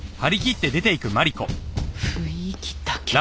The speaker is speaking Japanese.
雰囲気だけ。